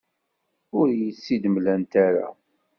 Ur iyi-tt-id-mlant ara.